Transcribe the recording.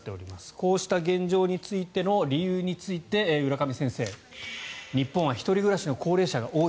こうした現状の理由について浦上先生日本は一人暮らしの高齢者が多い。